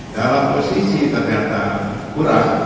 dalam posisi ternyata kurang